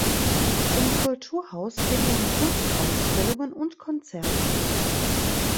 Im Kulturhaus finden Kunstausstellungen und Konzerte statt.